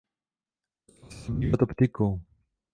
Začal se zabývat optikou.